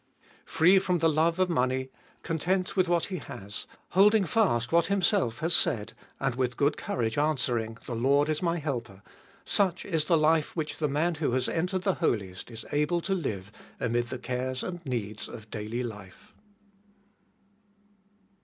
Free from the love of money, content with what he has, holding fast what Himself has said, and with good courage answering, The Lord is my helper, such is the life which the man who has entered the Holiest is able to live amid the cares and needs of daily life.